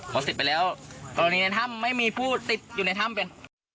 พอเสร็จไปแล้วกรณีในถ้ำไม่มีผู้ติดอยู่ในถ้ำเป็น